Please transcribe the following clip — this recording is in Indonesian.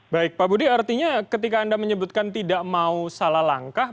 baik pak budi artinya ketika anda menyebutkan tidak mau salah langkah